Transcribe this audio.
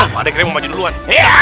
pak adek kira mau maju duluan